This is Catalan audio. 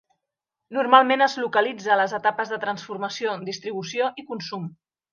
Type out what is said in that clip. Normalment, es localitza a les etapes de transformació, distribució i consum.